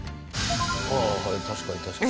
ああーはい確かに確かに。